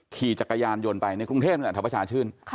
ขี่จักรยานยนต์ไปในกรุงเทพฯถ้าประชาชื่น